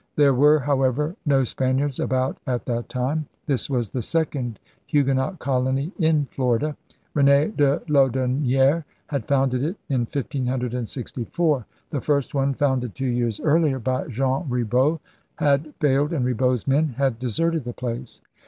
There were, however, no Spaniards about at that time. This was the second Huguenot colony in Florida. Rene de Laudonniere had founded it in 1564. The first one, founded two years earlier by Jean Ribaut, had failed and Ribaut's men had deserted the place.